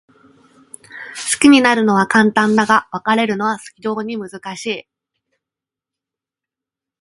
好きになるのは簡単だが、別れるのは非常に難しい。